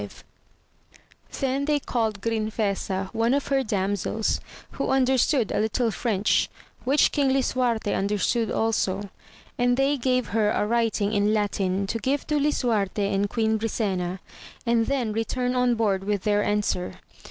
* The reward of good tidings. 28 AMADIS OF GAUL Then they called Grinfesa one of her damsels, who understood a little French, which King Lisuarte un derstood also, and they gave her a writing in Latin to give to Lisuarte and Queen Brisena, and then return on board with their answer.